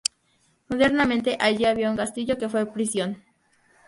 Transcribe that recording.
Modernamente allí había un castillo que fue prisión.